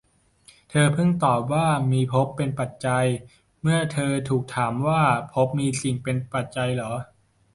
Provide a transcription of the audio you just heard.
เธอพึงตอบว่า มีภพเป็นปัจจัย เมื่อเธอถูกถามว่า ภพมีสิ่งเป็นปัจจัยหรือ